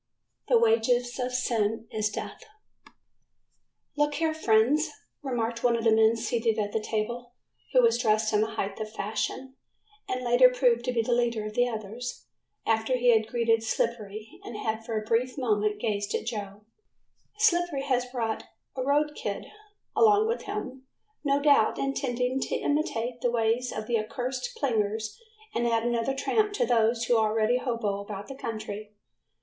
"The Wages of Sin is Death." "Look here, friends," remarked one of the men seated at the table, who was dressed in the height of fashion, and later proved to be the leader of the others, after he had greeted Slippery and had for a brief moment gazed at Joe, "Slippery has brought a road kid along with him, no doubt intending to imitate the ways of the accursed plingers and add another tramp to those who already hobo about the country."